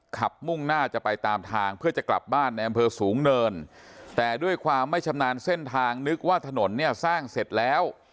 มุ่งหน้าจะไปตามทางเพื่อจะกลับบ้านในอำเภอสูงเนินแต่ด้วยความไม่ชำนาญเส้นทางนึกว่าถนนเนี่ยสร้างเสร็จแล้ว